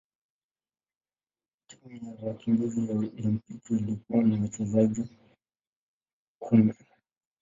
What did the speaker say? Timu ya wakimbizi ya Olimpiki ilikuwa na wachezaji kumi.